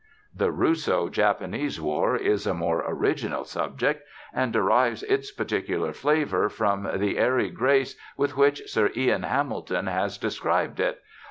The Russo Japanese War is a more original subject and derives its particular flavor from the airy grace with which Sir Ian Hamilton has described it.